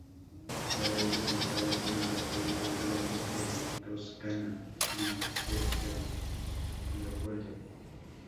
Para ello contaban con el apoyo del Gran duque de Toscana, Pietro Leopoldo.